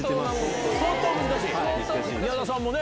宮澤さんもね